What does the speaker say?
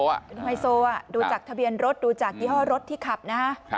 ไฮโซดูจากทะเบียนรถดูจากยี่ห้อรถที่ขับนะฮะ